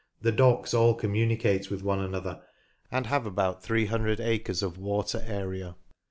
The docks all com municate with one another and have about 300 acres of water area.